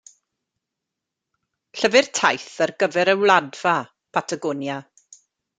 Llyfr taith ar gyfer y Wladfa, Patagonia.